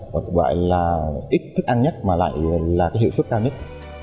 hoặc gọi là ít thức ăn nhất mà lại là cái hiệu phức cao nhất